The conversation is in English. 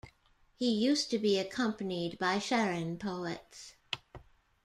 He used to be accompanied by Charan poets.